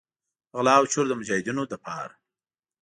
غلا او چور د مجاهدینو لپاره.